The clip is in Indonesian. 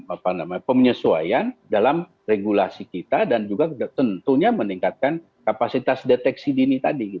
apa namanya penyesuaian dalam regulasi kita dan juga tentunya meningkatkan kapasitas deteksi dini tadi